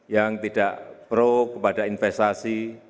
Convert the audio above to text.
yang tidak pro kepada investasi